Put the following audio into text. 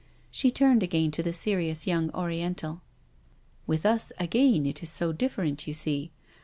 She turned again to the serious young Oriental. " With us again it is so different, you see.